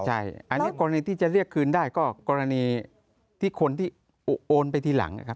ใช่อันนี้กรณีที่จะเรียกคืนได้ก็กรณีที่คนที่โอนไปทีหลังนะครับ